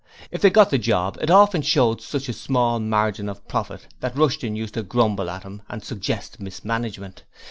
If they got the 'job' it often showed such a small margin of profit that Rushton used to grumble at him and suggest mismanagement.